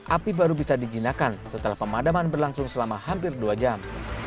api baru bisa dijinakan setelah pemadaman berlangsung selama hampir dua jam